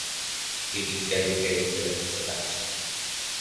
It is dedicated to Sebastian.